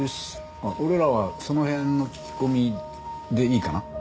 まあ俺らはその辺の聞き込みでいいかな？